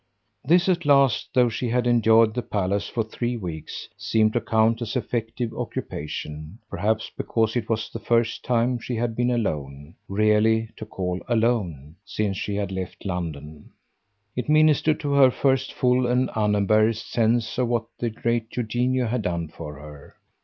This at last only, though she had enjoyed the palace for three weeks, seemed to count as effective occupation; perhaps because it was the first time she had been alone really to call alone since she had left London, it ministered to her first full and unembarrassed sense of what the great Eugenio had done for her.